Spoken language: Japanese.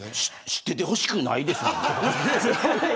知っててほしいですよ。